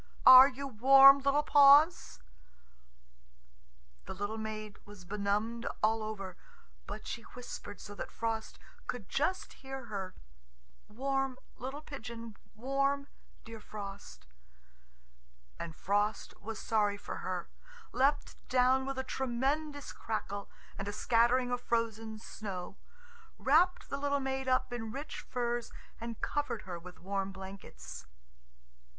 Are you warm, little paws?" The little maid was benumbed all over, but she whispered so that Frost could just hear her, "Warm, little pigeon, warm, dear Frost," And Frost was sorry for her, leapt down with a tremendous crackle and a scattering of frozen snow, wrapped the little maid up in rich furs, and covered her with warm blankets.